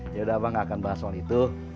yaudah abah gak akan bahas soal itu